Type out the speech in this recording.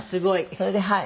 それではい。